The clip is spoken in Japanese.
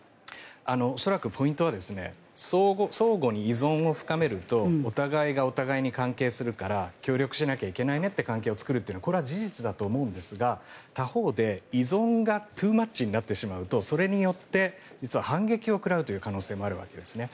恐らくポイントは相互に依存を深めるとお互いがお互いに関係するから協力しなきゃいけないねという関係を作るっていうのはこれは事実だと思うんですが他方で依存がトゥーマッチになってしまうとそれによって実は反撃を食らうという可能性もあるわけですね。